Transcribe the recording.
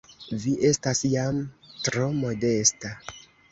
Vi estas jam tro modesta!